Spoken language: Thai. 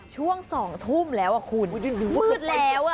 ช่วง๒ทุ่มแล้วอ่ะคุณมืดแล้ว